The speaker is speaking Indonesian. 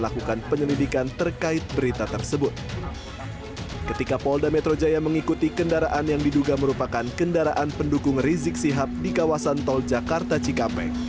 ketika polda metro jaya mengikuti kendaraan yang diduga merupakan kendaraan pendukung rizik sihab di kawasan tol jakarta cikampek